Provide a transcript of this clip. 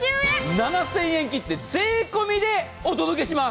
７０００円切って税込みでお届けします。